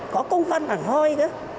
có công văn hàng hoi